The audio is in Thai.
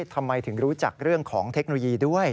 ทำไมถึงรู้จักเรื่องของเทคโนโลยีด้วย